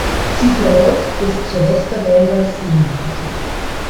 Sie verläuft bis zur Westerwälder-Seenplatte.